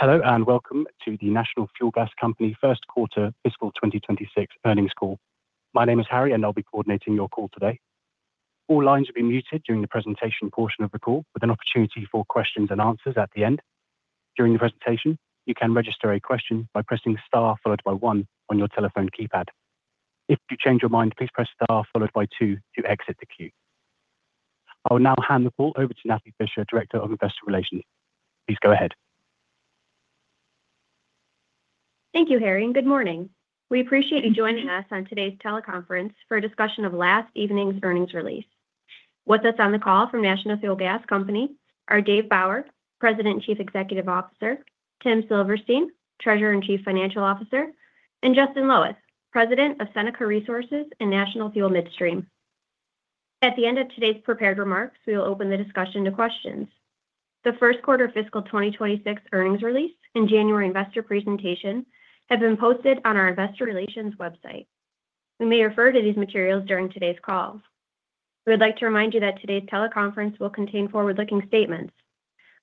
Hello and welcome to the National Fuel Gas Company first quarter fiscal 2026 earnings call. My name is Harry and I'll be coordinating your call today. All lines will be muted during the presentation portion of the call, with an opportunity for questions and answers at the end. During the presentation, you can register a question by pressing star followed by one on your telephone keypad. If you change your mind, please press star followed by two to exit the queue. I will now hand the call over to Natalie Fischer, Director of Investor Relations. Please go ahead. Thank you, Harry. Good morning. We appreciate you joining us on today's teleconference for a discussion of last evening's earnings release. With us on the call from National Fuel Gas Company are Dave Bauer, President and Chief Executive Officer, Tim Silverstein, Treasurer and Chief Financial Officer, and Justin Loweth, President of Seneca Resources and National Fuel Midstream. At the end of today's prepared remarks, we will open the discussion to questions. The First Quarter Fiscal 2026 earnings release and January investor presentation have been posted on our Investor Relations website. We may refer to these materials during today's call. We would like to remind you that today's teleconference will contain forward-looking statements.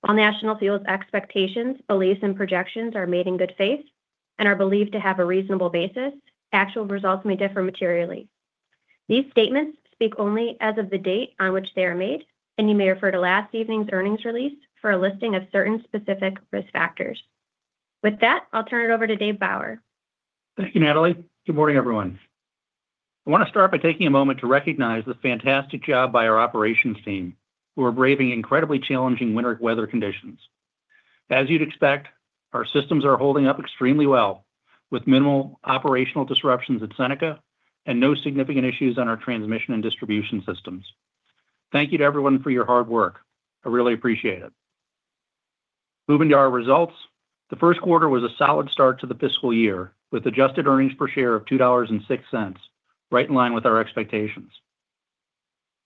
While National Fuel's expectations, beliefs, and projections are made in good faith and are believed to have a reasonable basis, actual results may differ materially. These statements speak only as of the date on which they are made, and you may refer to last evening's earnings release for a listing of certain specific risk factors. With that, I'll turn it over to Dave Bauer. Thank you, Natalie. Good morning, everyone. I want to start by taking a moment to recognize the fantastic job by our operations team, who are braving incredibly challenging winter weather conditions. As you'd expect, our systems are holding up extremely well, with minimal operational disruptions at Seneca and no significant issues on our transmission and distribution systems. Thank you to everyone for your hard work. I really appreciate it. Moving to our results, the first quarter was a solid start to the fiscal year, with adjusted earnings per share of $2.06, right in line with our expectations.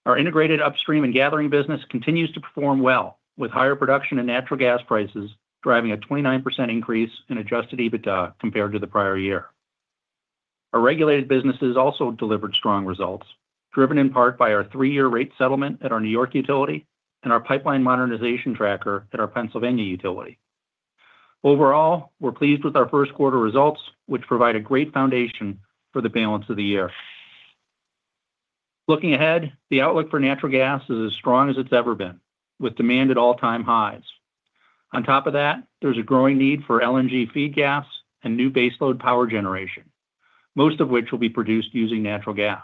Our integrated upstream and gathering business continues to perform well, with higher production and natural gas prices driving a 29% increase in adjusted EBITDA compared to the prior year. Our regulated businesses also delivered strong results, driven in part by our three-year rate settlement at our New York utility and our pipeline modernization tracker at our Pennsylvania utility. Overall, we're pleased with our first quarter results, which provide a great foundation for the balance of the year. Looking ahead, the outlook for natural gas is as strong as it's ever been, with demand at all-time highs. On top of that, there's a growing need for LNG feed gas and new baseload power generation, most of which will be produced using natural gas.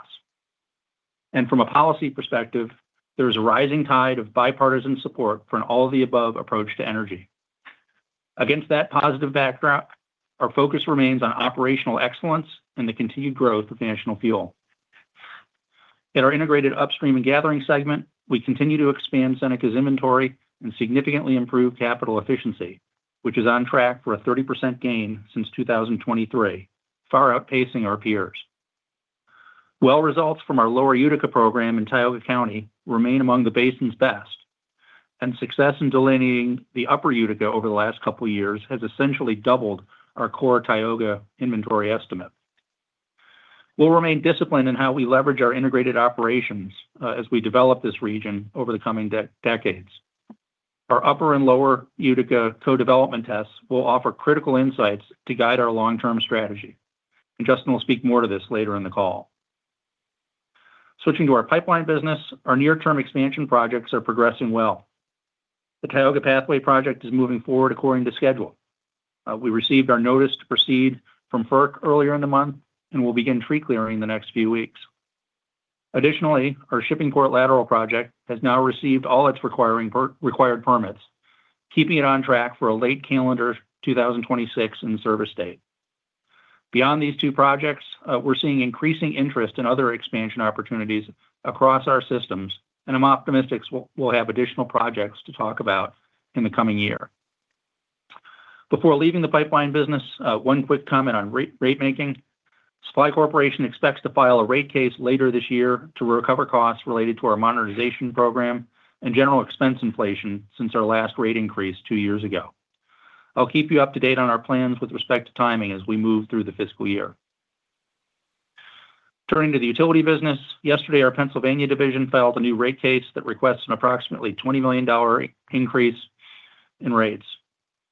And from a policy perspective, there is a rising tide of bipartisan support for an all-of-the-above approach to energy. Against that positive backdrop, our focus remains on operational excellence and the continued growth of National Fuel. In our integrated upstream and gathering segment, we continue to expand Seneca's inventory and significantly improve capital efficiency, which is on track for a 30% gain since 2023, far outpacing our peers. Well results from our Lower Utica program in Tioga County remain among the basin's best, and success in delineating the Upper Utica over the last couple of years has essentially doubled our core Tioga inventory estimate. We'll remain disciplined in how we leverage our integrated operations as we develop this region over the coming decades. Our upper and Lower Utica co-development tests will offer critical insights to guide our long-term strategy, and Justin will speak more to this later in the call. Switching to our pipeline business, our near-term expansion projects are progressing well. The Tioga Pathway project is moving forward according to schedule. We received our notice to proceed from FERC earlier in the month and will begin tree clearing in the next few weeks. Additionally, our Shippingport Lateral project has now received all its required permits, keeping it on track for a late calendar 2026 in-service date. Beyond these two projects, we're seeing increasing interest in other expansion opportunities across our systems, and I'm optimistic we'll have additional projects to talk about in the coming year. Before leaving the pipeline business, one quick comment on rate making. Supply Corporation expects to file a rate case later this year to recover costs related to our modernization program and general expense inflation since our last rate increase two years ago. I'll keep you up to date on our plans with respect to timing as we move through the fiscal year. Turning to the utility business, yesterday our Pennsylvania division filed a new rate case that requests an approximately $20 million increase in rates.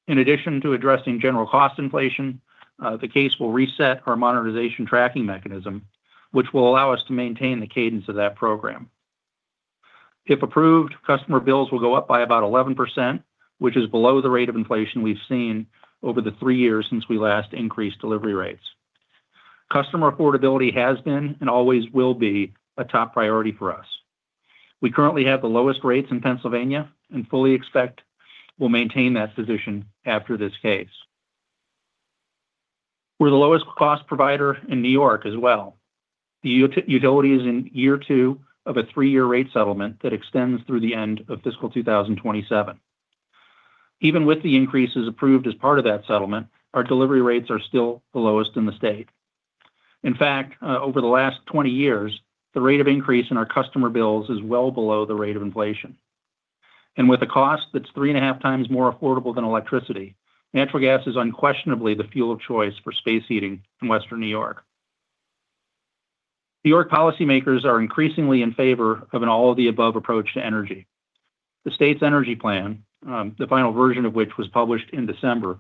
In addition to addressing general cost inflation, the case will reset our modernization tracking mechanism, which will allow us to maintain the cadence of that program. If approved, customer bills will go up by about 11%, which is below the rate of inflation we've seen over the three years since we last increased delivery rates. Customer affordability has been and always will be a top priority for us. We currently have the lowest rates in Pennsylvania and fully expect we'll maintain that position after this case. We're the lowest cost provider in New York as well. The utility is in year two of a three-year rate settlement that extends through the end of fiscal 2027. Even with the increases approved as part of that settlement, our delivery rates are still the lowest in the state. In fact, over the last 20 years, the rate of increase in our customer bills is well below the rate of inflation. With a cost that's 3.5x more affordable than electricity, natural gas is unquestionably the fuel of choice for space heating in Western New York. New York policymakers are increasingly in favor of an all-of-the-above approach to energy. The state's energy plan, the final version of which was published in December,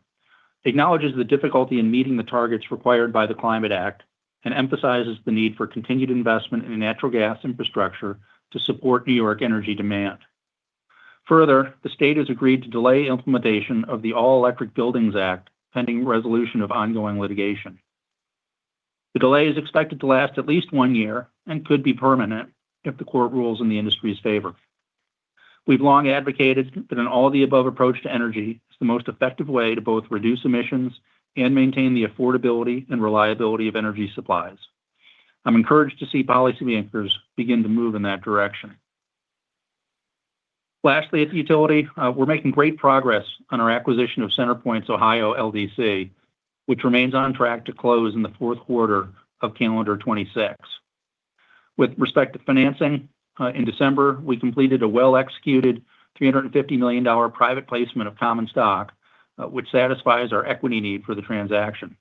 acknowledges the difficulty in meeting the targets required by the Climate Act and emphasizes the need for continued investment in natural gas infrastructure to support New York energy demand. Further, the state has agreed to delay implementation of the All-Electric Buildings Act pending resolution of ongoing litigation. The delay is expected to last at least one year and could be permanent if the court rules in the industry's favor. We've long advocated that an all-of-the-above approach to energy is the most effective way to both reduce emissions and maintain the affordability and reliability of energy supplies. I'm encouraged to see policymakers begin to move in that direction. Lastly, at the utility, we're making great progress on our acquisition of CenterPoint's Ohio LDC, which remains on track to close in the fourth quarter of calendar 2026. With respect to financing, in December, we completed a well-executed $350 million private placement of common stock, which satisfies our equity need for the transaction.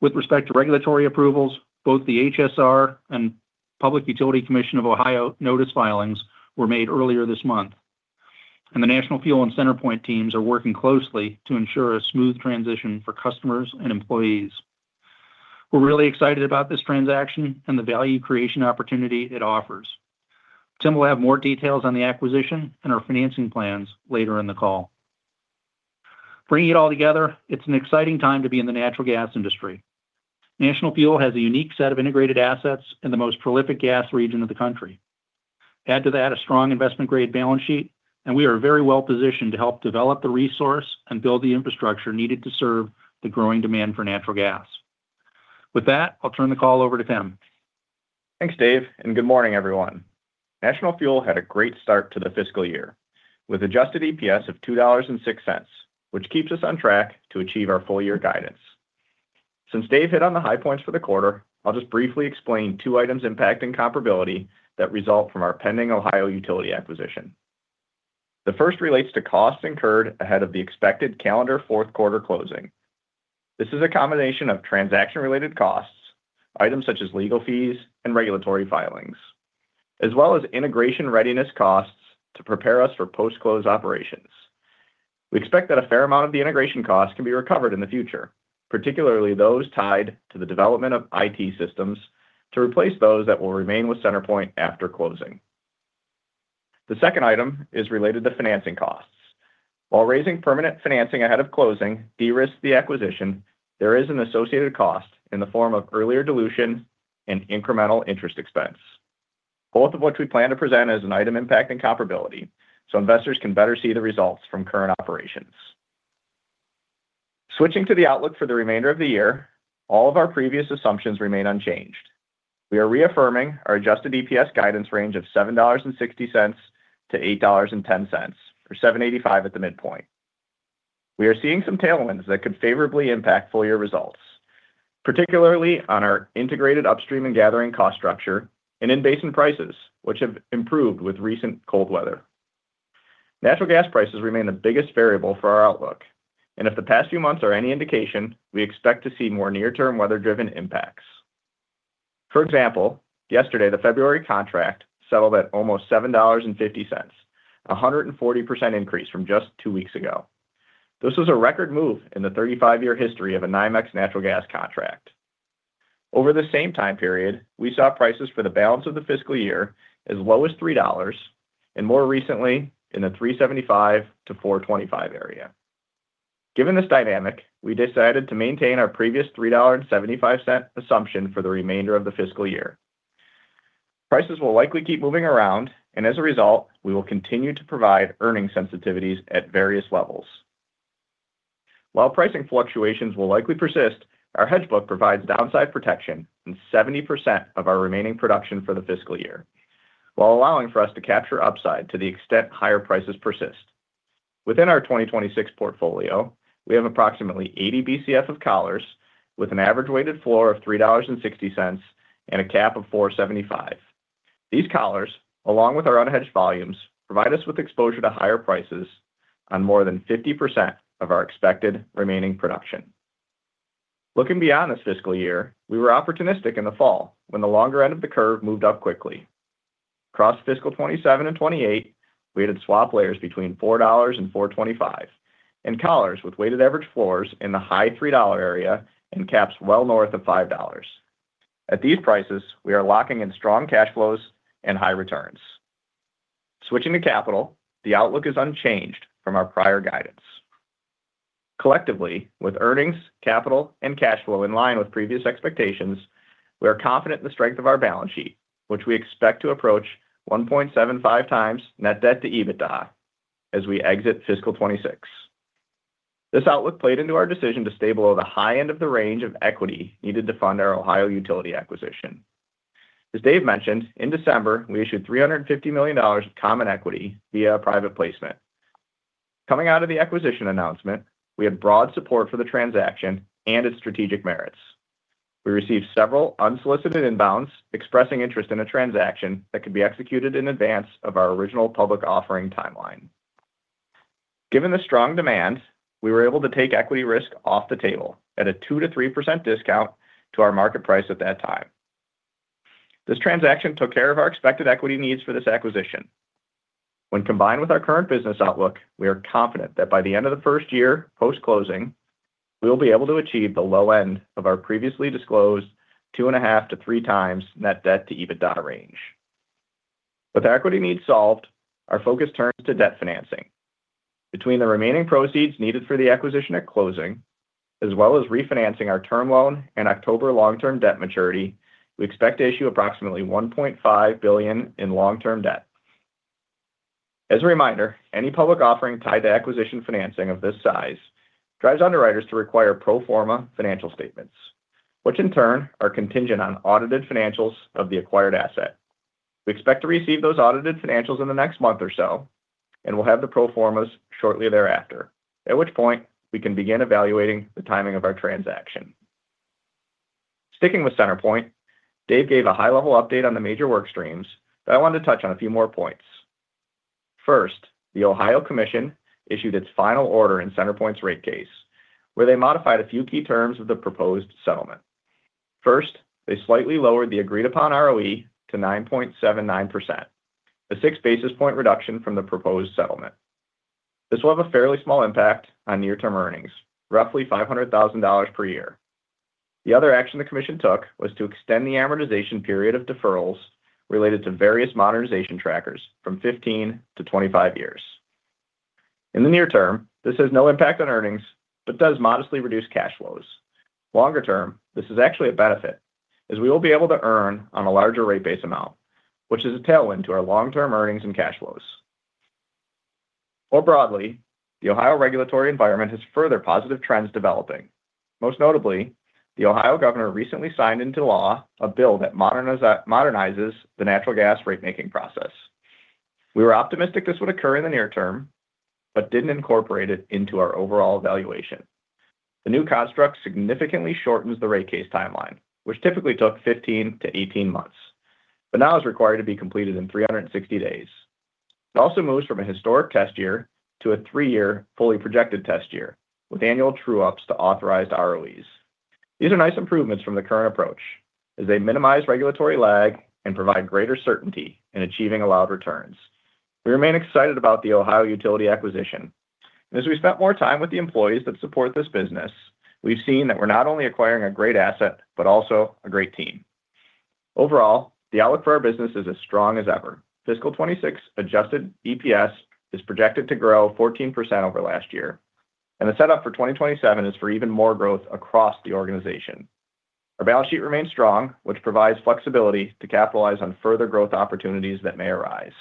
With respect to regulatory approvals, both the HSR and Public Utility Commission of Ohio notice filings were made earlier this month, and the National Fuel and CenterPoint teams are working closely to ensure a smooth transition for customers and employees. We're really excited about this transaction and the value creation opportunity it offers. Tim will have more details on the acquisition and our financing plans later in the call. Bringing it all together, it's an exciting time to be in the natural gas industry. National Fuel has a unique set of integrated assets in the most prolific gas region of the country. Add to that a strong investment-grade balance sheet, and we are very well positioned to help develop the resource and build the infrastructure needed to serve the growing demand for natural gas. With that, I'll turn the call over to Tim. Thanks, Dave, and good morning, everyone. National Fuel had a great start to the fiscal year with a adjusted EPS of $2.06, which keeps us on track to achieve our full-year guidance. Since Dave hit on the high points for the quarter, I'll just briefly explain two items impacting comparability that result from our pending Ohio utility acquisition. The first relates to costs incurred ahead of the expected calendar fourth quarter closing. This is a combination of transaction-related costs, items such as legal fees and regulatory filings, as well as integration readiness costs to prepare us for post-close operations. We expect that a fair amount of the integration costs can be recovered in the future, particularly those tied to the development of IT systems to replace those that will remain with CenterPoint after closing. The second item is related to financing costs. While raising permanent financing ahead of closing de-risked the acquisition, there is an associated cost in the form of earlier dilution and incremental interest expense, both of which we plan to present as an item impacting comparability so investors can better see the results from current operations. Switching to the outlook for the remainder of the year, all of our previous assumptions remain unchanged. We are reaffirming our adjusted EPS guidance range of $7.60-$8.10 or $7.85 at the midpoint. We are seeing some tailwinds that could favorably impact full-year results, particularly on our integrated upstream and gathering cost structure and in basin prices, which have improved with recent cold weather. Natural gas prices remain the biggest variable for our outlook, and if the past few months are any indication, we expect to see more near-term weather-driven impacts. For example, yesterday, the February contract settled at almost $7.50, a 140% increase from just two weeks ago. This was a record move in the 35-year history of a NYMEX natural gas contract. Over the same time period, we saw prices for the balance of the fiscal year as low as $3.00 and more recently in the $3.75-$4.25 area. Given this dynamic, we decided to maintain our previous $3.75 assumption for the remainder of the fiscal year. Prices will likely keep moving around, and as a result, we will continue to provide earnings sensitivities at various levels. While pricing fluctuations will likely persist, our hedge book provides downside protection in 70% of our remaining production for the fiscal year, while allowing for us to capture upside to the extent higher prices persist. Within our 2026 portfolio, we have approximately 80 BCF of collars with an average weighted floor of $3.60 and a cap of $4.75. These collars, along with our unhedged volumes, provide us with exposure to higher prices on more than 50% of our expected remaining production. Looking beyond this fiscal year, we were opportunistic in the fall when the longer end of the curve moved up quickly. Across fiscal 2027 and 2028, we had swap layers between $4.00-$4.25 and collars with weighted average floors in the high $3.00 area and caps well north of $5.00. At these prices, we are locking in strong cash flows and high returns. Switching to capital, the outlook is unchanged from our prior guidance. Collectively, with earnings, capital, and cash flow in line with previous expectations, we are confident in the strength of our balance sheet, which we expect to approach 1.75 times net debt to EBITDA as we exit fiscal 2026. This outlook played into our decision to stay below the high end of the range of equity needed to fund our Ohio utility acquisition. As Dave mentioned, in December, we issued $350 million of common equity via a private placement. Coming out of the acquisition announcement, we had broad support for the transaction and its strategic merits. We received several unsolicited inbounds expressing interest in a transaction that could be executed in advance of our original public offering timeline. Given the strong demand, we were able to take equity risk off the table at a 2%-3% discount to our market price at that time. This transaction took care of our expected equity needs for this acquisition. When combined with our current business outlook, we are confident that by the end of the first year post-closing, we will be able to achieve the low end of our previously disclosed 2.5-3x net debt to EBITDA range. With equity needs solved, our focus turns to debt financing. Between the remaining proceeds needed for the acquisition at closing, as well as refinancing our term loan and October long-term debt maturity, we expect to issue approximately $1.5 billion in long-term debt. As a reminder, any public offering tied to acquisition financing of this size drives underwriters to require pro forma financial statements, which in turn are contingent on audited financials of the acquired asset. We expect to receive those audited financials in the next month or so, and we'll have the pro formas shortly thereafter, at which point we can begin evaluating the timing of our transaction. Sticking with CenterPoint, Dave gave a high-level update on the major workstreams, but I wanted to touch on a few more points. First, the Ohio Commission issued its final order in CenterPoint's rate case, where they modified a few key terms of the proposed settlement. First, they slightly lowered the agreed-upon ROE to 9.79%, a six basis point reduction from the proposed settlement. This will have a fairly small impact on near-term earnings, roughly $500,000 per year. The other action the Commission took was to extend the amortization period of deferrals related to various modernization trackers from 15 to 25 years. In the near term, this has no impact on earnings, but does modestly reduce cash flows. Longer term, this is actually a benefit, as we will be able to earn on a larger rate-based amount, which is a tailwind to our long-term earnings and cash flows. More broadly, the Ohio regulatory environment has further positive trends developing. Most notably, the Ohio governor recently signed into law a bill that modernizes the natural gas rate-making process. We were optimistic this would occur in the near term, but didn't incorporate it into our overall evaluation. The new construct significantly shortens the rate case timeline, which typically took 15-18 months, but now is required to be completed in 360 days. It also moves from a historic test year to a three-year fully projected test year with annual true-ups to authorized ROEs. These are nice improvements from the current approach, as they minimize regulatory lag and provide greater certainty in achieving allowed returns. We remain excited about the Ohio utility acquisition. As we spent more time with the employees that support this business, we've seen that we're not only acquiring a great asset, but also a great team. Overall, the outlook for our business is as strong as ever. Fiscal 2026 adjusted EPS is projected to grow 14% over last year, and the setup for 2027 is for even more growth across the organization. Our balance sheet remains strong, which provides flexibility to capitalize on further growth opportunities that may arise.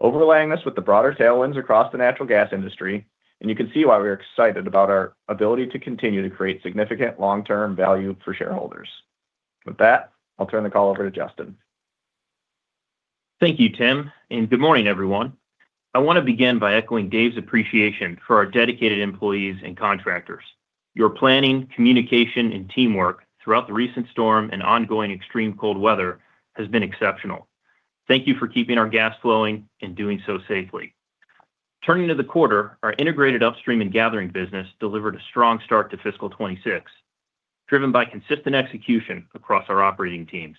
Overlaying this with the broader tailwinds across the natural gas industry, and you can see why we're excited about our ability to continue to create significant long-term value for shareholders. With that, I'll turn the call over to Justin. Thank you, Tim, and good morning, everyone. I want to begin by echoing Dave's appreciation for our dedicated employees and contractors. Your planning, communication, and teamwork throughout the recent storm and ongoing extreme cold weather has been exceptional. Thank you for keeping our gas flowing and doing so safely. Turning to the quarter, our integrated upstream and gathering business delivered a strong start to fiscal 2026, driven by consistent execution across our operating teams.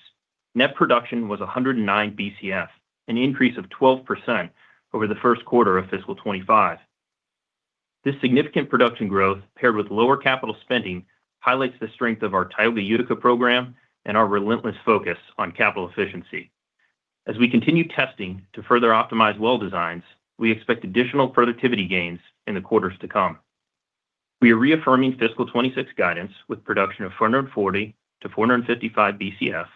Net production was 109 BCF, an increase of 12% over the first quarter of fiscal 2025. This significant production growth, paired with lower capital spending, highlights the strength of our Tioga Utica program and our relentless focus on capital efficiency. As we continue testing to further optimize well designs, we expect additional productivity gains in the quarters to come. We are reaffirming fiscal 2026 guidance with production of 440-455 BCF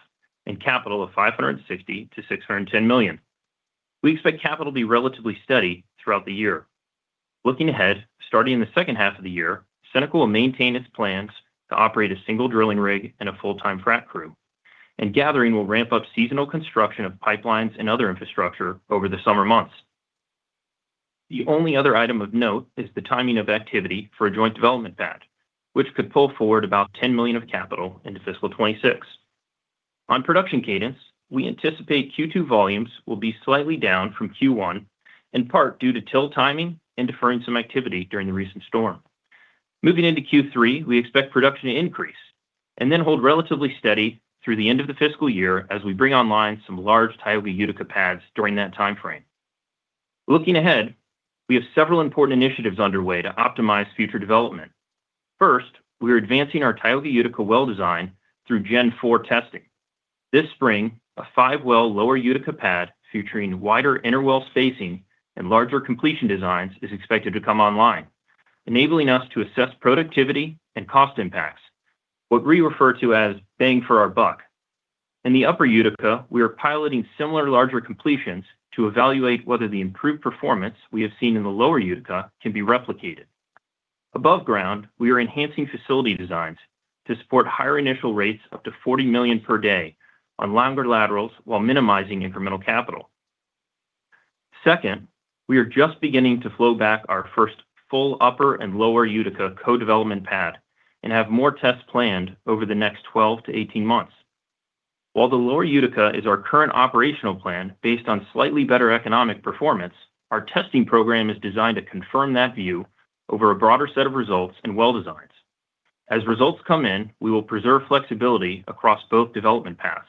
and capital of $560 million-$610 million. We expect capital to be relatively steady throughout the year. Looking ahead, starting in the second half of the year, CenterPoint will maintain its plans to operate a single drilling rig and a full-time frac crew, and gathering will ramp up seasonal construction of pipelines and other infrastructure over the summer months. The only other item of note is the timing of activity for a joint development pad, which could pull forward about $10 million of capital into fiscal 2026. On production cadence, we anticipate Q2 volumes will be slightly down from Q1, in part due to drill timing and deferring some activity during the recent storm. Moving into Q3, we expect production to increase and then hold relatively steady through the end of the fiscal year as we bring online some large Tioga Utica pads during that timeframe. Looking ahead, we have several important initiatives underway to optimize future development. First, we are advancing our Tioga Utica well design through Gen 4 testing. This spring, a five-well Lower Utica pad featuring wider inter-well spacing and larger completion designs is expected to come online, enabling us to assess productivity and cost impacts, what we refer to as bang for our buck. In the Upper Utica, we are piloting similar larger completions to evaluate whether the improved performance we have seen in the Lower Utica can be replicated. Above ground, we are enhancing facility designs to support higher initial rates up to 40 million per day on longer laterals while minimizing incremental capital. Second, we are just beginning to flow back our first full upper and Lower Utica co-development pad and have more tests planned over the next 12 to 18 months. While the Lower Utica is our current operational plan based on slightly better economic performance, our testing program is designed to confirm that view over a broader set of results and well designs. As results come in, we will preserve flexibility across both development paths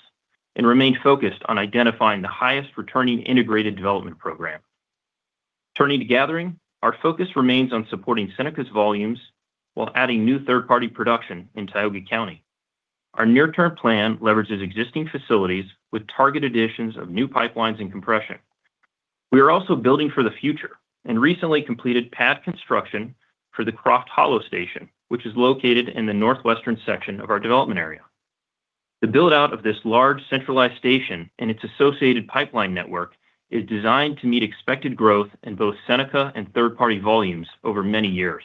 and remain focused on identifying the highest returning integrated development program. Turning to gathering, our focus remains on supporting Seneca's volumes while adding new third-party production in Tioga County. Our near-term plan leverages existing facilities with target additions of new pipelines and compression. We are also building for the future and recently completed pad construction for the Croft Hollow Station, which is located in the northwestern section of our development area. The build-out of this large centralized station and its associated pipeline network is designed to meet expected growth in both Seneca and third-party volumes over many years.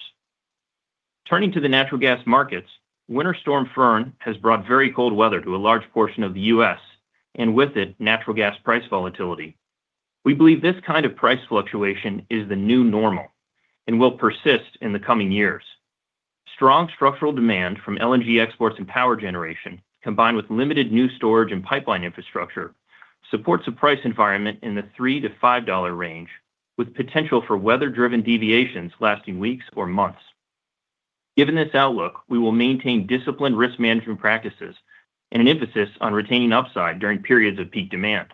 Turning to the natural gas markets, Winter Storm Fern has brought very cold weather to a large portion of the U.S., and with it, natural gas price volatility. We believe this kind of price fluctuation is the new normal and will persist in the coming years. Strong structural demand from LNG exports and power generation, combined with limited new storage and pipeline infrastructure, supports a price environment in the $3-$5 range, with potential for weather-driven deviations lasting weeks or months. Given this outlook, we will maintain disciplined risk management practices and an emphasis on retaining upside during periods of peak demand.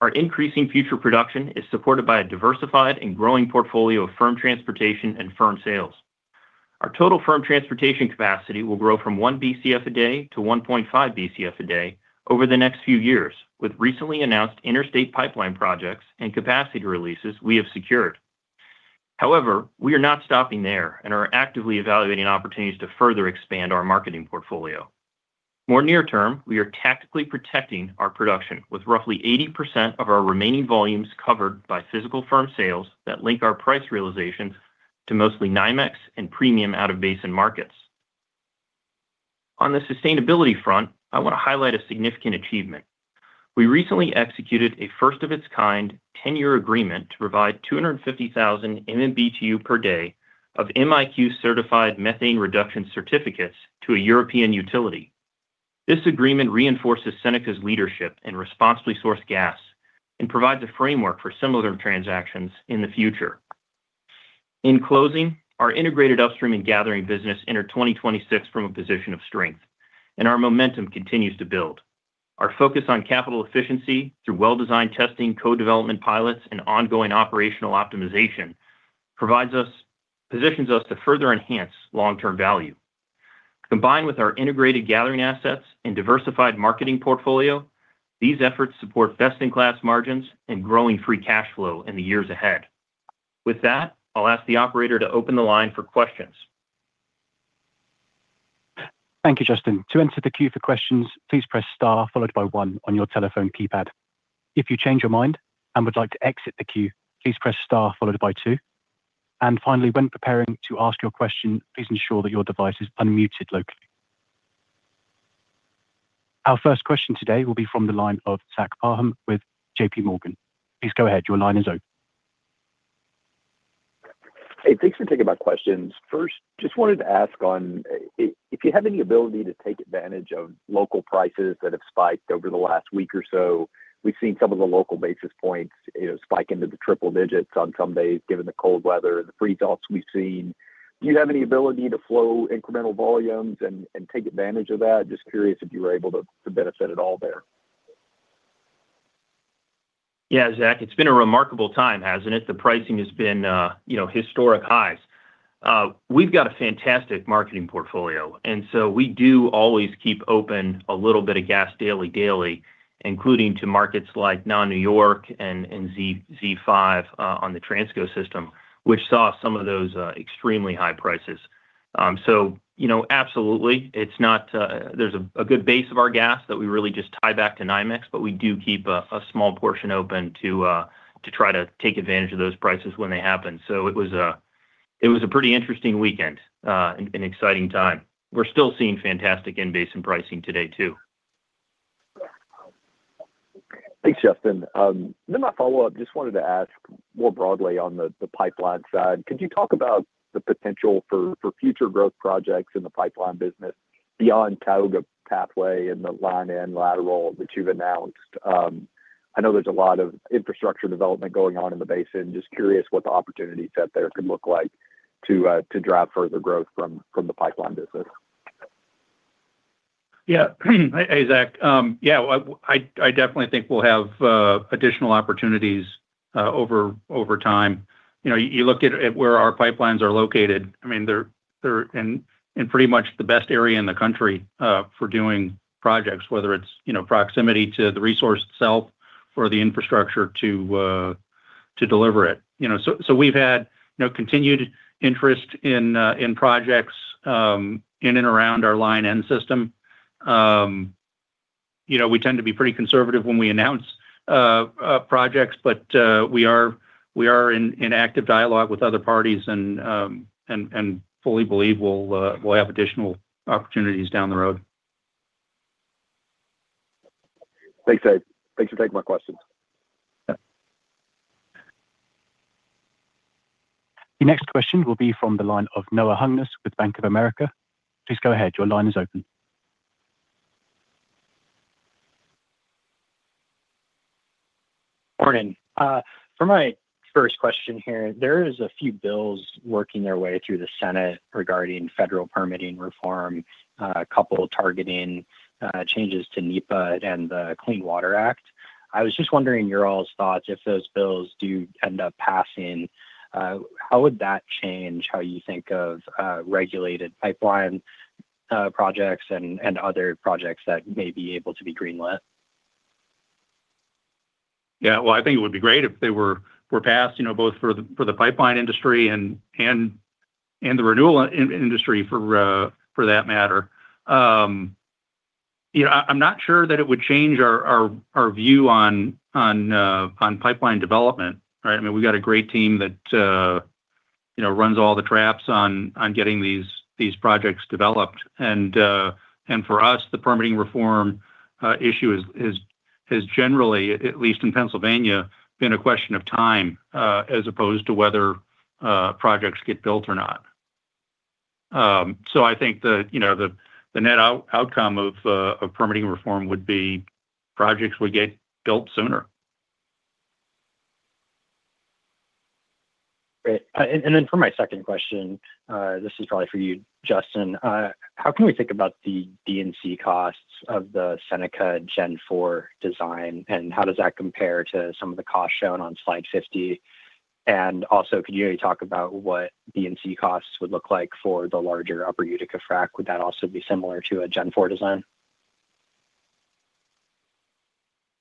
Our increasing future production is supported by a diversified and growing portfolio of firm transportation and firm sales. Our total firm transportation capacity will grow from 1 BCF a day to 1.5 BCF a day over the next few years, with recently announced interstate pipeline projects and capacity releases we have secured. However, we are not stopping there and are actively evaluating opportunities to further expand our marketing portfolio. More near-term, we are tactically protecting our production with roughly 80% of our remaining volumes covered by physical firm sales that link our price realizations to mostly NYMEX and premium out-of-basin markets. On the sustainability front, I want to highlight a significant achievement. We recently executed a first-of-its-kind ten-year agreement to provide 250,000 MMBTU per day of MiQ-certified methane reduction certificates to a European utility. This agreement reinforces Seneca's leadership in responsibly sourced gas and provides a framework for similar transactions in the future. In closing, our integrated upstream and gathering business entered 2026 from a position of strength, and our momentum continues to build. Our focus on capital efficiency through well-designed testing, co-development pilots, and ongoing operational optimization positions us to further enhance long-term value. Combined with our integrated gathering assets and diversified marketing portfolio, these efforts support best-in-class margins and growing free cash flow in the years ahead. With that, I'll ask the operator to open the line for questions. Thank you, Justin. To enter the queue for questions, please press star followed by one on your telephone keypad. If you change your mind and would like to exit the queue, please press star followed by two. Finally, when preparing to ask your question, please ensure that your device is unmuted locally. Our first question today will be from the line of Zach Parham with JPMorgan. Please go ahead. Your line is open. Hey, thanks for taking my questions. First, just wanted to ask if you have any ability to take advantage of local prices that have spiked over the last week or so. We've seen some of the local basis points spike into the triple digits on some days given the cold weather and the freeze-offs we've seen. Do you have any ability to flow incremental volumes and take advantage of that? Just curious if you were able to benefit at all there. Yeah, Zach, it's been a remarkable time, hasn't it? The pricing has been historic highs. We've got a fantastic marketing portfolio, and so we do always keep open a little bit of gas daily, daily, including to markets like non-New York and Z5 on the Transco system, which saw some of those extremely high prices. So absolutely, there's a good base of our gas that we really just tie back to NYMEX, but we do keep a small portion open to try to take advantage of those prices when they happen. So it was a pretty interesting weekend, an exciting time. We're still seeing fantastic in-basin pricing today too. Thanks, Justin. Then my follow-up, just wanted to ask more broadly on the pipeline side. Could you talk about the potential for future growth projects in the pipeline business beyond Tioga Pathway and the Line N lateral that you've announced? I know there's a lot of infrastructure development going on in the basin. Just curious what the opportunity set there could look like to drive further growth from the pipeline business. Yeah, hey, Zach. Yeah, I definitely think we'll have additional opportunities over time. You look at where our pipelines are located. I mean, they're in pretty much the best area in the country for doing projects, whether it's proximity to the resource itself or the infrastructure to deliver it. So we've had continued interest in projects in and around our Line N system. We tend to be pretty conservative when we announce projects, but we are in active dialogue with other parties and fully believe we'll have additional opportunities down the road. Thanks, Dave. Thanks for taking my questions. The next question will be from the line of Noah Hungness with Bank of America. Please go ahead. Your line is open. Morning. For my first question here, there are a few bills working their way through the Senate regarding federal permitting reform, a couple targeting changes to NEPA and the Clean Water Act. I was just wondering your all's thoughts. If those bills do end up passing, how would that change how you think of regulated pipeline projects and other projects that may be able to be greenlit? Yeah, well, I think it would be great if they were passed both for the pipeline industry and the renewable industry for that matter. I'm not sure that it would change our view on pipeline development. I mean, we've got a great team that runs all the traps on getting these projects developed. And for us, the permitting reform issue has generally, at least in Pennsylvania, been a question of time as opposed to whether projects get built or not. So I think the net outcome of permitting reform would be projects would get built sooner. Great. And then for my second question, this is probably for you, Justin. How can we think about the D&C costs of the Seneca Gen 4 design, and how does that compare to some of the costs shown on slide 50? And also, could you maybe talk about what D&C costs would look like for the larger Upper Utica frac? Would that also be similar to a Gen 4 design?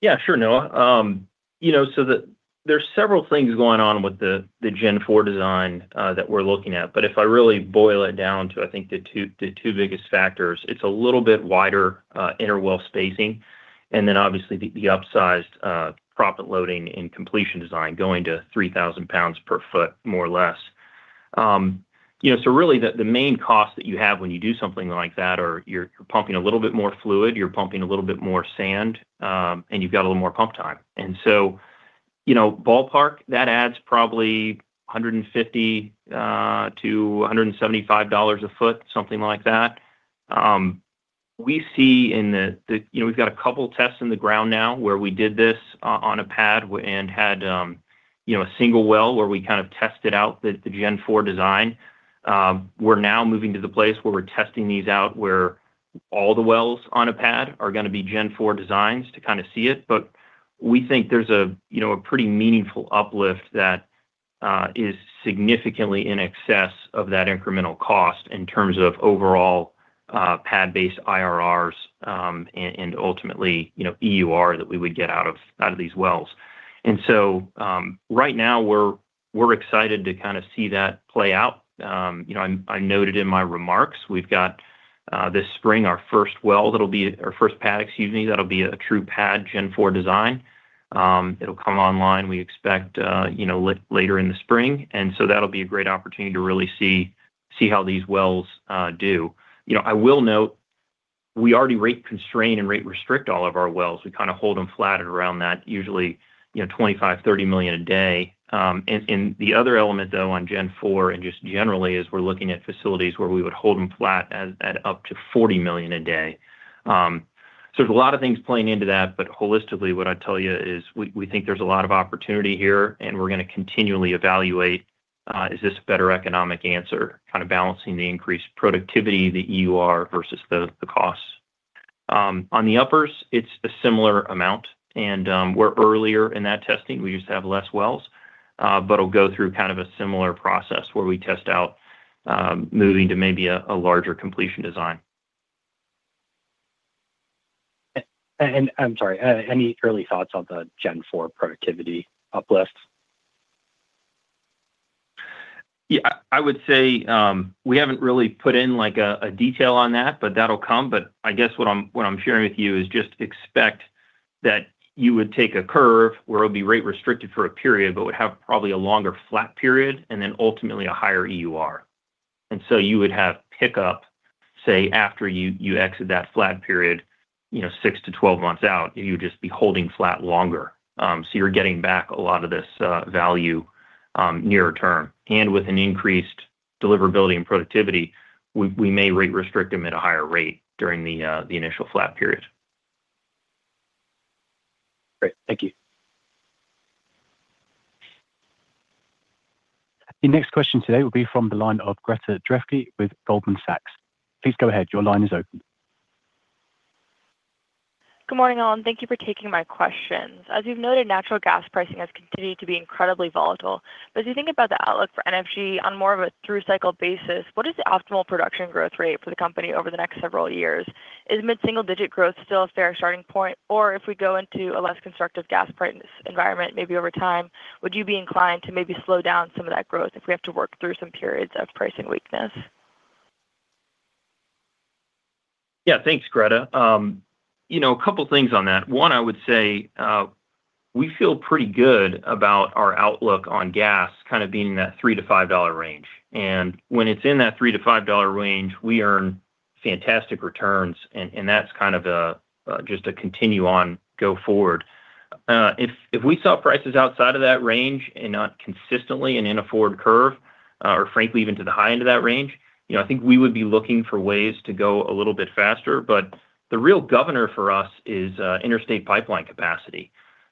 Yeah, sure, Noah. So there's several things going on with the Gen 4 design that we're looking at, but if I really boil it down to, I think, the two biggest factors, it's a little bit wider inner well spacing, and then obviously the upsized proppant loading and completion design going to 3,000 lbs per ft, more or less. So really, the main cost that you have when you do something like that is you're pumping a little bit more fluid, you're pumping a little bit more sand, and you've got a little more pump time. And so ballpark, that adds probably $150-$175 a foot, something like that. We've got a couple of tests in the ground now where we did this on a pad and had a single well where we kind of tested out the Gen 4 design. We're now moving to the place where we're testing these out where all the wells on a pad are going to be Gen 4 designs to kind of see it. But we think there's a pretty meaningful uplift that is significantly in excess of that incremental cost in terms of overall pad-based IRRs and ultimately EUR that we would get out of these wells. And so right now, we're excited to kind of see that play out. I noted in my remarks, we've got this spring our first well that'll be our first pad, excuse me, that'll be a true pad Gen 4 design. It'll come online, we expect, later in the spring. And so that'll be a great opportunity to really see how these wells do. I will note we already rate constrain and rate restrict all of our wells. We kind of hold them flat around that, usually 25 million-30 million a day. And the other element, though, on Gen 4 and just generally is we're looking at facilities where we would hold them flat at up to $40 million a day. So there's a lot of things playing into that, but holistically, what I'd tell you is we think there's a lot of opportunity here, and we're going to continually evaluate, is this a better economic answer, kind of balancing the increased productivity, the EUR versus the costs. On the uppers, it's a similar amount, and we're earlier in that testing. We just have less wells, but it'll go through kind of a similar process where we test out moving to maybe a larger completion design. I'm sorry, any early thoughts on the Gen 4 productivity uplift? Yeah, I would say we haven't really put in a detail on that, but that'll come. But I guess what I'm sharing with you is just expect that you would take a curve where it would be rate restricted for a period, but would have probably a longer flat period and then ultimately a higher EUR. And so you would have pickup, say, after you exit that flat period, 6 to 12 months out, you would just be holding flat longer. So you're getting back a lot of this value nearer term. And with an increased deliverability and productivity, we may rate restrict them at a higher rate during the initial flat period. Great. Thank you. The next question today will be from the line of Greta Drefke with Goldman Sachs. Please go ahead. Your line is open. Good morning all. Thank you for taking my questions. As you've noted, natural gas pricing has continued to be incredibly volatile. But as you think about the outlook for energy on more of a through cycle basis, what is the optimal production growth rate for the company over the next several years? Is mid-single digit growth still a fair starting point? Or if we go into a less constructive gas price environment, maybe over time, would you be inclined to maybe slow down some of that growth if we have to work through some periods of pricing weakness? Yeah, thanks, Greta. A couple of things on that. One, I would say we feel pretty good about our outlook on gas kind of being in that $3-$5 range. And when it's in that $3-$5 range, we earn fantastic returns, and that's kind of just a continue on, go forward. If we saw prices outside of that range and not consistently and in a forward curve, or frankly, even to the high end of that range, I think we would be looking for ways to go a little bit faster. But the real governor for us is interstate pipeline capacity.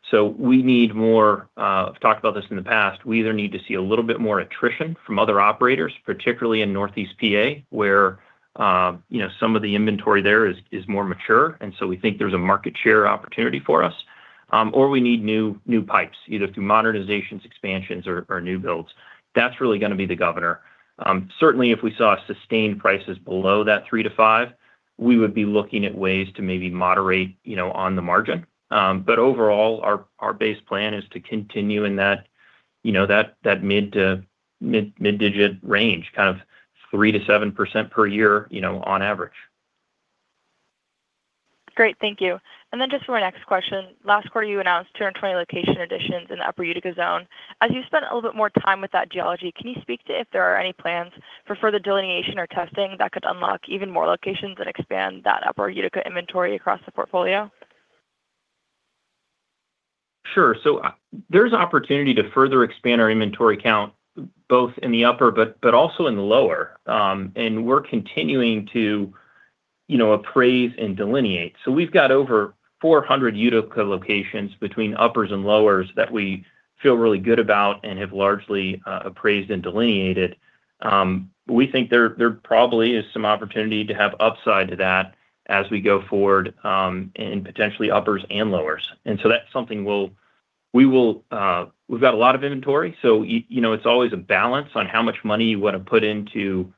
So we need more, I've talked about this in the past, we either need to see a little bit more attrition from other operators, particularly in Northeast PA, where some of the inventory there is more mature, and so we think there's a market share opportunity for us. Or we need new pipes, either through modernizations, expansions, or new builds. That's really going to be the governor. Certainly, if we saw sustained prices below that 3-5, we would be looking at ways to maybe moderate on the margin. But overall, our base plan is to continue in that mid-digit range, kind of 3%-7% per year on average. Great. Thank you. And then just for my next question, last quarter, you announced 220 location additions in the Upper Utica zone. As you spend a little bit more time with that geology, can you speak to if there are any plans for further delineation or testing that could unlock even more locations and expand that Upper Utica inventory across the portfolio? Sure. So there's opportunity to further expand our inventory count, both in the upper but also in the lower. And we're continuing to appraise and delineate. So we've got over 400 Utica locations between uppers and lowers that we feel really good about and have largely appraised and delineated. We think there probably is some opportunity to have upside to that as we go forward in potentially uppers and lowers. And so that's something we've got a lot of inventory, so it's always a balance on how much money you want to put into,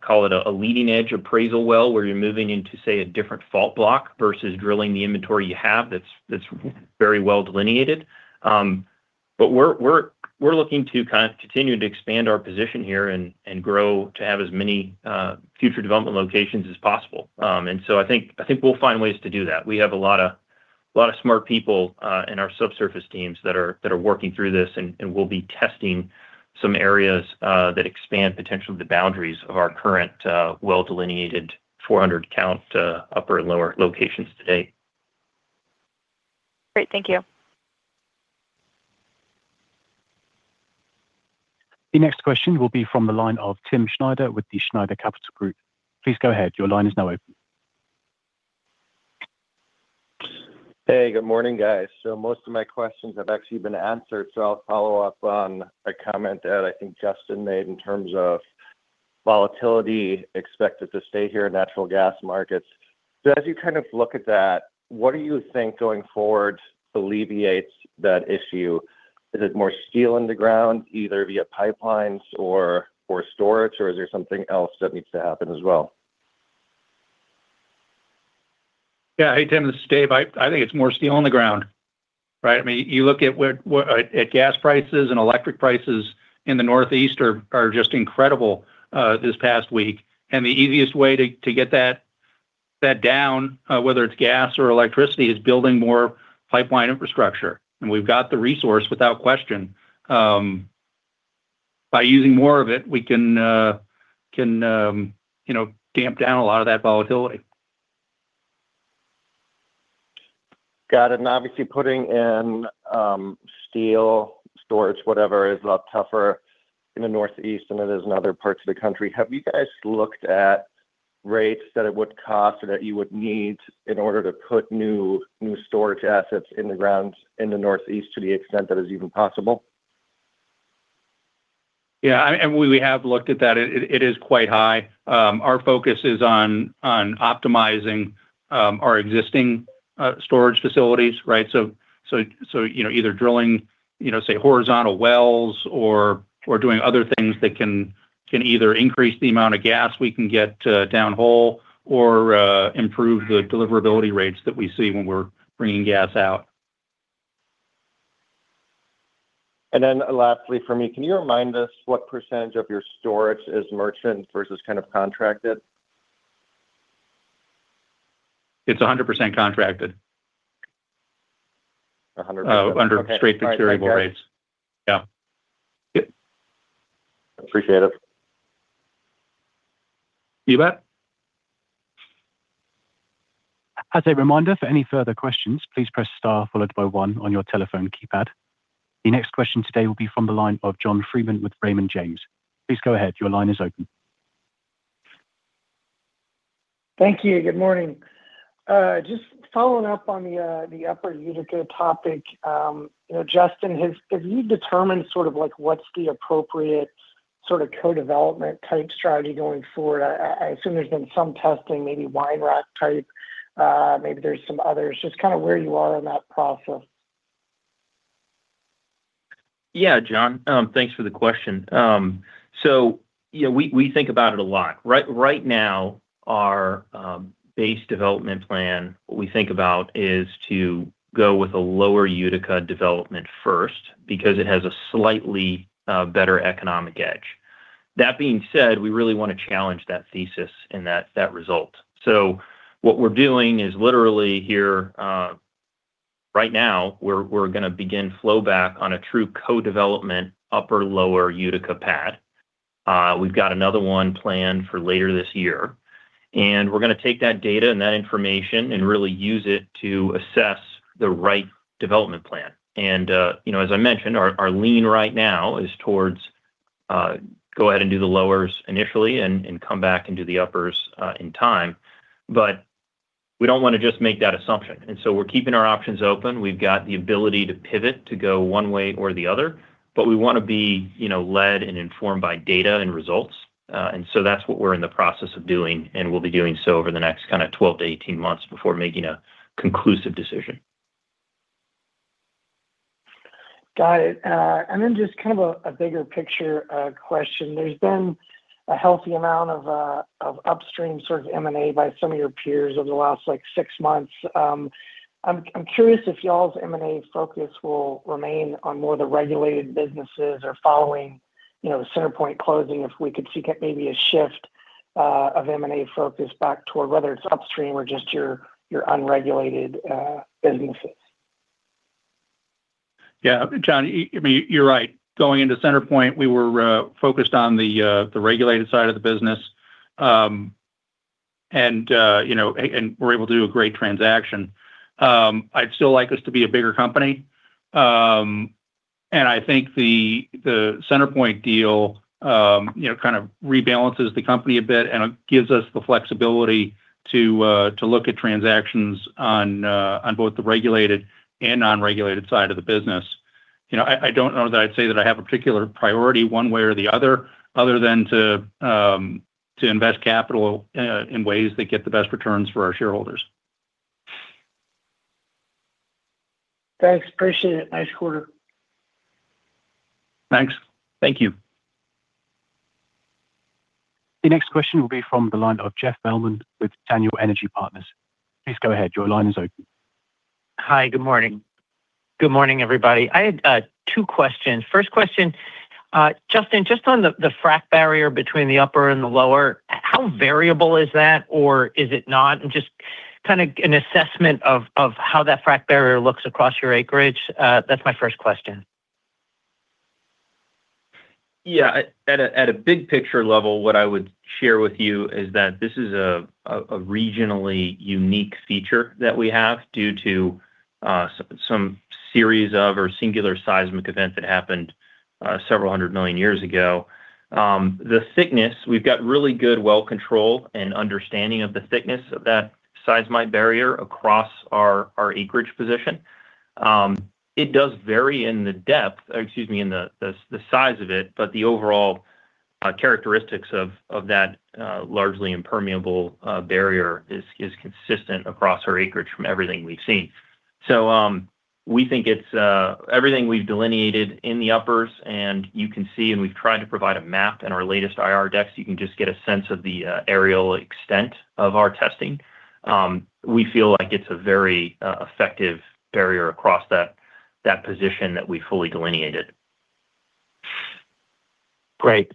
call it a leading-edge appraisal well where you're moving into, say, a different fault block versus drilling the inventory you have that's very well delineated. But we're looking to kind of continue to expand our position here and grow to have as many future development locations as possible. I think we'll find ways to do that. We have a lot of smart people in our subsurface teams that are working through this, and we'll be testing some areas that expand potentially the boundaries of our current well-delineated 400-count upper and lower locations today. Great. Thank you. The next question will be from the line of Tim Schneider with the Schneider Capital Group. Please go ahead. Your line is now open. Hey, good morning, guys. Most of my questions have actually been answered, so I'll follow up on a comment that I think Justin made in terms of volatility expected to stay here in natural gas markets. As you kind of look at that, what do you think going forward alleviates that issue? Is it more steel in the ground, either via pipelines or storage, or is there something else that needs to happen as well? Yeah. Hey, Tim, this is Dave. I think it's more steel in the ground, right? I mean, you look at gas prices and electric prices in the Northeast are just incredible this past week. And the easiest way to get that down, whether it's gas or electricity, is building more pipeline infrastructure. And we've got the resource, without question. By using more of it, we can damp down a lot of that volatility. Got it. Obviously, putting in steel, storage, whatever, is a lot tougher in the Northeast than it is in other parts of the country. Have you guys looked at rates that it would cost or that you would need in order to put new storage assets in the ground in the Northeast to the extent that is even possible? Yeah. We have looked at that. It is quite high. Our focus is on optimizing our existing storage facilities, right? So either drilling, say, horizontal wells or doing other things that can either increase the amount of gas we can get to downhole or improve the deliverability rates that we see when we're bringing gas out. And then lastly, for me, can you remind us what percentage of your storage is merchant versus kind of contracted? It's 100% contracted. 100%. Okay. Under straight procurable rates. Yeah. Appreciate it. You bet. As a reminder, for any further questions, please press star followed by one on your telephone keypad. The next question today will be from the line of John Freeman with Raymond James. Please go ahead. Your line is open. Thank you. Good morning. Just following up on the Upper Utica topic, Justin, have you determined sort of what's the appropriate sort of co-development type strategy going forward? I assume there's been some testing, maybe wine rack type. Maybe there's some others. Just kind of where you are in that process. Yeah, John. Thanks for the question. So we think about it a lot. Right now, our base development plan, what we think about is to go with a Lower Utica development first because it has a slightly better economic edge. That being said, we really want to challenge that thesis and that result. So what we're doing is literally here, right now, we're going to begin flowback on a true co-development upper Lower Utica pad. We've got another one planned for later this year. And we're going to take that data and that information and really use it to assess the right development plan. And as I mentioned, our lean right now is towards go ahead and do the lowers initially and come back and do the uppers in time. But we don't want to just make that assumption. And so we're keeping our options open. We've got the ability to pivot to go one way or the other, but we want to be led and informed by data and results. And so that's what we're in the process of doing, and we'll be doing so over the next kind of 12-18 months before making a conclusive decision. Got it. And then just kind of a bigger picture question. There's been a healthy amount of upstream sort of M&A by some of your peers over the last six months. I'm curious if y'all's M&A focus will remain on more of the regulated businesses or following CenterPoint closing, if we could see maybe a shift of M&A focus back toward whether it's upstream or just your unregulated businesses. Yeah. John, I mean, you're right. Going into CenterPoint, we were focused on the regulated side of the business and were able to do a great transaction. I'd still like us to be a bigger company. I think the CenterPoint deal kind of rebalances the company a bit and gives us the flexibility to look at transactions on both the regulated and non-regulated side of the business. I don't know that I'd say that I have a particular priority one way or the other other than to invest capital in ways that get the best returns for our shareholders. Thanks. Appreciate it. Nice quarter. Thanks. Thank you. The next question will be from the line of Geoff Bellman with Daniel Energy Partners. Please go ahead. Your line is open. Hi. Good morning. Good morning, everybody. I had two questions. First question, Justin, just on the frac barrier between the upper and the lower, how variable is that, or is it not? And just kind of an assessment of how that frac barrier looks across your acreage. That's my first question. Yeah. At a big picture level, what I would share with you is that this is a regionally unique feature that we have due to some series of or singular seismic events that happened several hundred million years ago. The thickness, we've got really good well control and understanding of the thickness of that seismite barrier across our acreage position. It does vary in the depth, excuse me, in the size of it, but the overall characteristics of that largely impermeable barrier is consistent across our acreage from everything we've seen. So we think everything we've delineated in the uppers, and you can see, and we've tried to provide a map in our latest IR decks. You can just get a sense of the aerial extent of our testing. We feel like it's a very effective barrier across that position that we fully delineated. Great.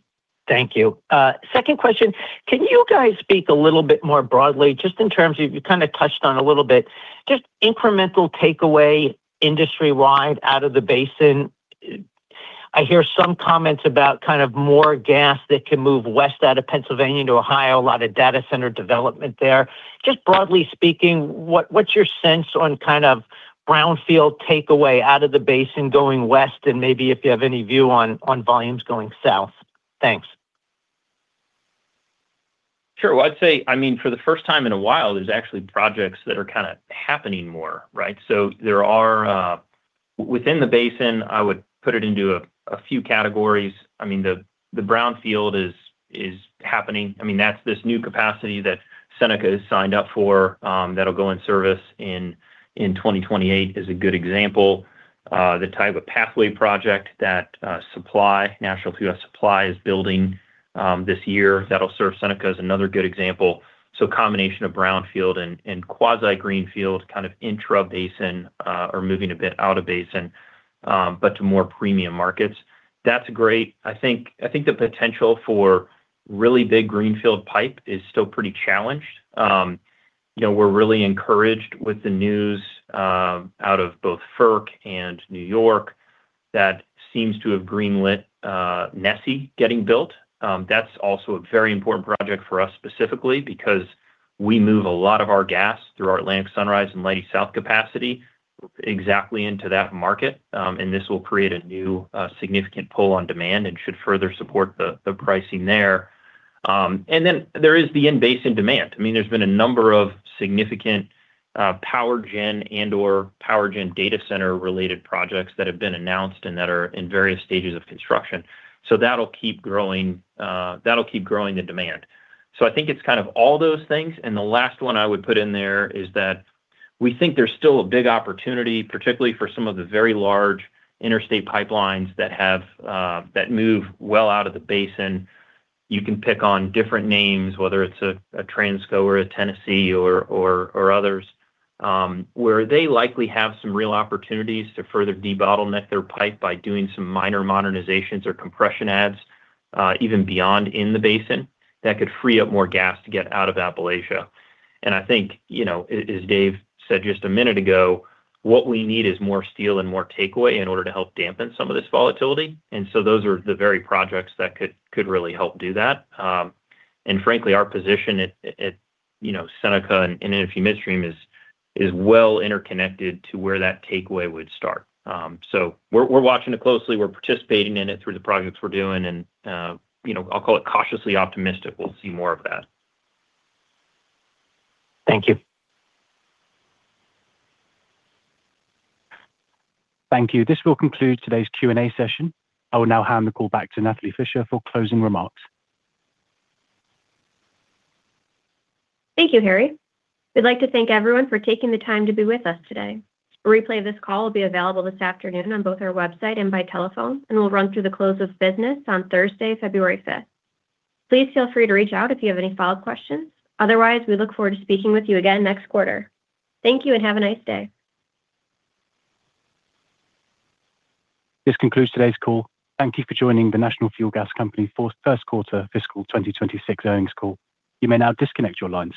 Thank you. Second question, can you guys speak a little bit more broadly just in terms of you kind of touched on a little bit just incremental takeaway industry-wide out of the basin? I hear some comments about kind of more gas that can move west out of Pennsylvania to Ohio, a lot of data center development there. Just broadly speaking, what's your sense on kind of brownfield takeaway out of the basin going west, and maybe if you have any view on volumes going south? Thanks. Sure. Well, I'd say, I mean, for the first time in a while, there's actually projects that are kind of happening more, right? So there are within the basin, I would put it into a few categories. I mean, the brownfield is happening. I mean, that's this new capacity that Seneca has signed up for that'll go in service in 2028 is a good example. The type of pathway project that National Fuel Supply is building this year that'll serve Seneca is another good example. So a combination of brownfield and quasi-greenfield kind of intra-basin or moving a bit out of basin, but to more premium markets. That's great. I think the potential for really big greenfield pipe is still pretty challenged. We're really encouraged with the news out of both FERC and New York that seems to have greenlit NESE getting built. That's also a very important project for us specifically because we move a lot of our gas through our Atlantic Sunrise and Leidy South capacity exactly into that market. And this will create a new significant pull on demand and should further support the pricing there. And then there is the in-basin demand. I mean, there's been a number of significant power gen and/or power gen data center-related projects that have been announced and that are in various stages of construction. So that'll keep growing the demand. So I think it's kind of all those things. And the last one I would put in there is that we think there's still a big opportunity, particularly for some of the very large interstate pipelines that move well out of the basin. You can pick on different names, whether it's a Transco or a Tennessee or others, where they likely have some real opportunities to further debottleneck their pipe by doing some minor modernizations or compression adds even beyond in the basin that could free up more gas to get out of Appalachia. And I think, as Dave said just a minute ago, what we need is more steel and more takeaway in order to help dampen some of this volatility. And so those are the very projects that could really help do that. And frankly, our position at Seneca and NFG Midstream is well interconnected to where that takeaway would start. So we're watching it closely. We're participating in it through the projects we're doing. And I'll call it cautiously optimistic. We'll see more of that. Thank you. Thank you. This will conclude today's Q&A session. I will now hand the call back to Natalie Fischer for closing remarks. Thank you, Harry. We'd like to thank everyone for taking the time to be with us today. A replay of this call will be available this afternoon on both our website and by telephone, and we'll run through the close of business on Thursday, February 5th. Please feel free to reach out if you have any follow-up questions. Otherwise, we look forward to speaking with you again next quarter. Thank you and have a nice day. This concludes today's call. Thank you for joining the National Fuel Gas Company's first quarter fiscal 2026 earnings call. You may now disconnect your lines.